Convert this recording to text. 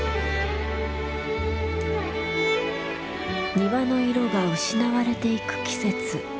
庭の色が失われていく季節。